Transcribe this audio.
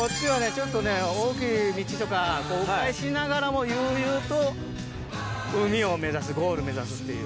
ちょっとね大きい道とかこう迂回しながらも悠々と海を目指すゴール目指すっていう。